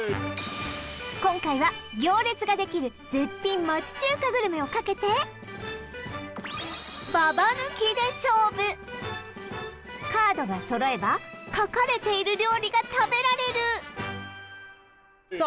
今回は行列ができる絶品町中華グルメをかけてババ抜きで勝負カードが揃えば書かれている料理が食べられるさあ